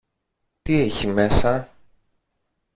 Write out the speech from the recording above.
Τι έχει μέσα!